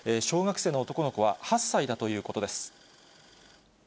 小学生の男の子は８歳だということです。